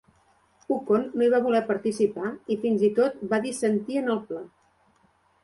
Ukon no hi va voler participar i, fins i tot, va dissentir en el pla.